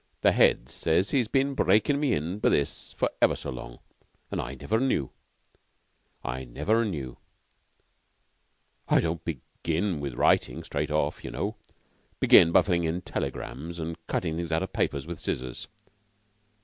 The Head says he's been breaking me in for this for ever so long, and I never knew I never knew. One don't begin with writing straight off, y'know. Begin by filling in telegrams and cutting things out o' papers with scissors."